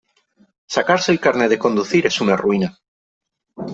Sacarse el carné de conducir es una ruina.